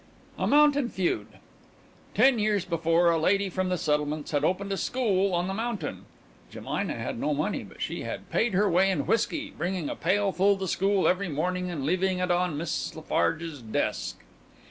A MOUNTAIN FEUD Ten years before a lady from the settlements had opened a school on the mountain. Jemina had no money, but she had paid her way in whiskey, bringing a pailful to school every morning and leaving it on Miss Lafarge's desk.